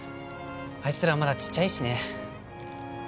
あいつらまだちっちゃいしね